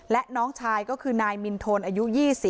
และน้องชายก็คือนายมินทนอายุ๒๐